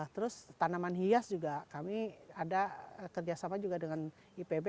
terus tanaman hias juga kami ada kerjasama juga dengan ipb